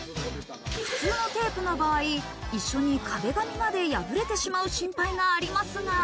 普通のテープの場合、一緒に壁紙まで破れてしまう心配がありますが。